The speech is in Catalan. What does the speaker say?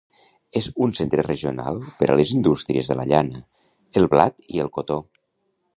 És un centre regional per a les indústries de la llana, el blat i el cotó.